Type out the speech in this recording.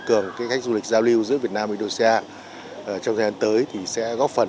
cường cái khách du lịch giao lưu giữa việt nam và indonesia trong thời gian tới thì sẽ góp phần